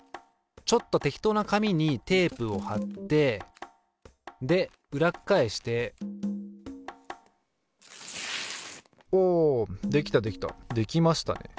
ちょっと適当な紙にテープをはってで裏っ返しておできたできたできましたね。